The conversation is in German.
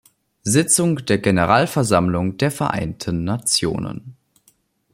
Sitzung der Generalversammlung der Vereinten Nationen.